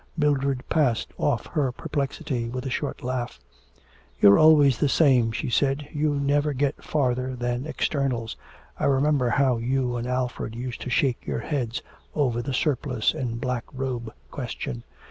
Mildred passed off her perplexity with a short laugh, 'You're always the same,' she said, 'you never get farther than externals. I remember how you and Alfred used to shake your heads over the surplice and the black robe question....